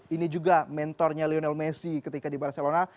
ini juga mentornya lionel messi ketika di barcelona